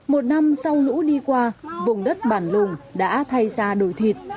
một năm sau lũ đi qua vùng đất bản lùng đã thay ra đổi thịt